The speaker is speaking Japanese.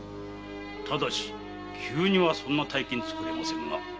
ただし急にはそんな大金つくれませんが。